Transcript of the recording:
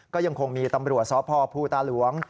ก็ยังคงมีตำรวจสพภูตาหลวง